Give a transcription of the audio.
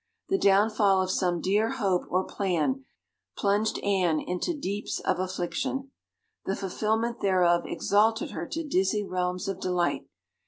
The downfall of some dear hope or plan plunged Anne into "deeps of affliction." The fulfillment thereof exalted her to dizzy realms of delight.